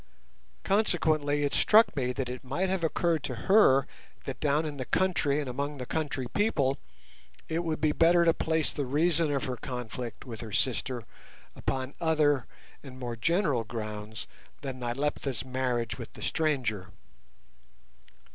Consequently it struck me that it might have occurred to her that down in the country and among the country people, it would be better to place the reason of her conflict with her sister upon other and more general grounds than Nyleptha's marriage with the stranger.